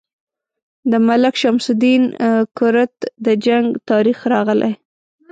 د ملک شمس الدین کرت د جنګ تاریخ راغلی.